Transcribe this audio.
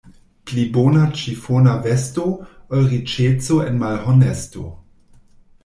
Pli bona ĉifona vesto, ol riĉeco en malhonesto.